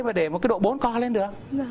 mà để một cái độ bốn co lên được